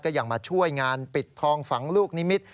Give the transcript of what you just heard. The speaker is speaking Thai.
ยังมาช่วยงานปิดทองฝังลูกนิมิตร